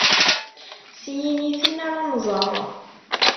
S yiniten ara nẓer.